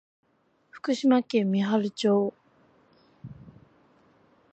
福島県三春町